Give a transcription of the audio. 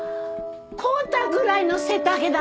康太ぐらいの背丈だった。